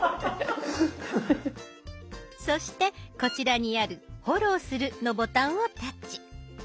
そしてこちらにある「フォローする」のボタンをタッチ。